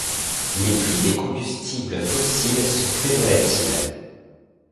Les prix des combustibles fossiles sont très volatils.